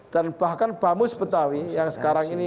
dan bahkan bamus betawi yang sekarang ini